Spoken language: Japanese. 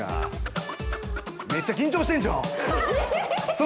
めっちゃ緊張してんじゃん！